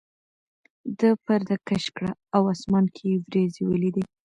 ده پرده کش کړه او اسمان کې یې وریځې ولیدې.